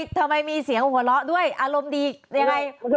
ทำไมมีเสียงหัวเราะด้วยอารมณ์ดียังไง